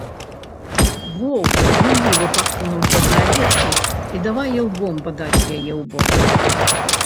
Воўк гулліва падсунуўся да авечкі і давай ілбом бадаць яе ў бок.